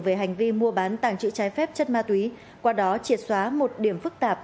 về hành vi mua bán tàng trữ trái phép chất ma túy qua đó triệt xóa một điểm phức tạp